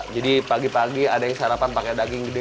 jadi pagi pagi ada yang sarapan pakai daging gede